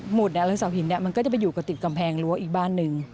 หรือเสาหินมันก็จะไปอยู่กับติดกำแพงรั้วอีกบ้านหนึ่ง